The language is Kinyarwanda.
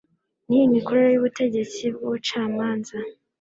n imikorere y Ubutegetsi bw Ubucamanza